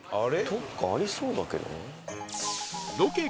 どこかありそうだけど。